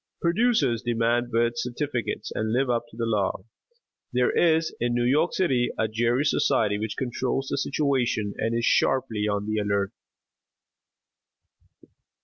Producers demand birth certificates and live up to the law. There is in New York City a Gerry Society, which controls the situation and is sharply on the alert.